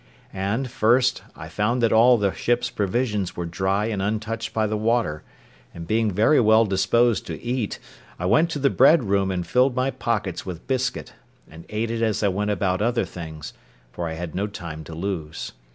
And, first, I found that all the ship's provisions were dry and untouched by the water, and being very well disposed to eat, I went to the bread room and filled my pockets with biscuit, and ate it as I went about other things, for I had no time to lose.